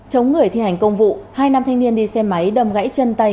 chống người thi hành công vụ hai nam thanh niên đi xe máy đâm gãy chân tay